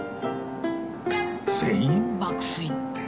全員爆睡って